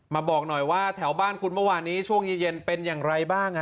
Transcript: บอกหน่อยว่าแถวบ้านคุณเมื่อวานนี้ช่วงเย็นเป็นอย่างไรบ้าง